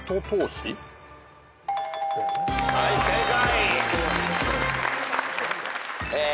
はい正解。